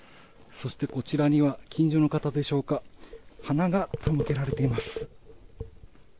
そして、こちらには近所の方でしょうか花が手向けられています。